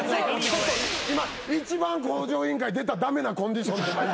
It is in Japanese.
今一番『向上委員会』出たら駄目なコンディションで。